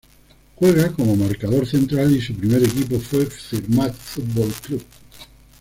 Juega como marcador central y su primer equipo fue Firmat Football Club.